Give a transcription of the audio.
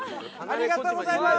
ありがとうございます！